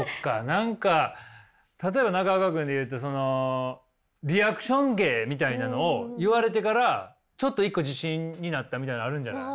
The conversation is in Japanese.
何か例えば中岡君で言うとそのリアクション芸みたいなのを言われてからちょっと一個自信になったみたいなのあるんじゃない？